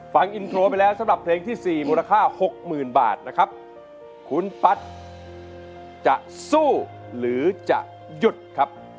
ฟังอินโทรไปแล้วสำหรับเพลงที่สี่มูลค่าหกหมื่นบาทนะครับคุณปั๊ดจะสู้หรือจะหยุดครับ